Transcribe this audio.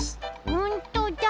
ほんとだ！